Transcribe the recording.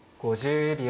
５０秒。